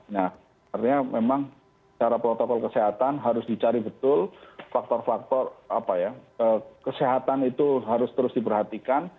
nah artinya memang secara protokol kesehatan harus dicari betul faktor faktor kesehatan itu harus terus diperhatikan